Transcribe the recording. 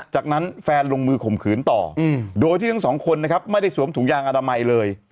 จากนั้นแฟนลงมือข่มขืนต่อโดยที่ทั้งสองคนนะครับไม่ได้สวมถุงยางอนามัยเลย